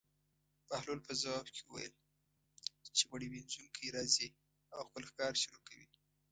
بهلول په ځواب کې وویل: چې مړي وينځونکی راځي او خپل کار شروع کوي.